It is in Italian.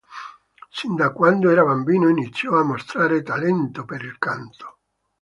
Sin da quando era bambino iniziò a mostrare talento per il canto.